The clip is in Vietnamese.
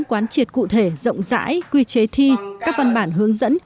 quán triệt cụ thể rộng rãi quy chế thi các văn bản hướng dẫn